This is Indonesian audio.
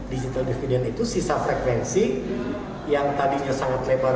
digital dividend itu sisa frekuensi yang tadinya sangat lebar